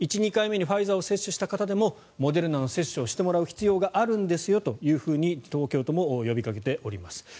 １、２回目にファイザーを接種した方でもモデルナを接種してもらう必要があるんですよと東京都も呼びかけています。